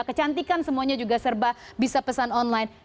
kecantikan semuanya juga serba bisa pesan online